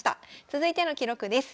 続いての記録です。